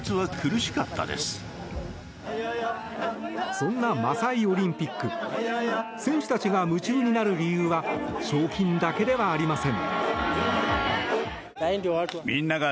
そんなマサイ・オリンピック戦士たちが夢中になる理由は賞金だけではありません。